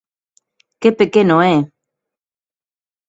"¡Que pequeno é!"